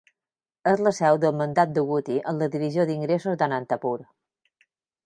És la seu del mandat de Gooty en la divisió d'ingressos de Anantapur.